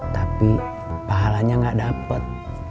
tapi pahalanya gak dapet